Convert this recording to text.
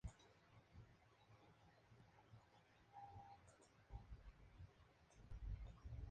Davis continuó ligado a los Mavericks tras retirarse, ocupando diferentes puestos dentro del club.